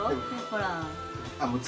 ほら。